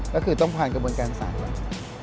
ก็คือต้องผ่านกระบวนการศาลก่อน